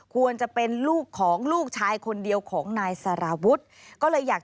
ควรจะเป็นลูกของลูกชายคนเดียวของนายสารวุฒิก็เลยอยาก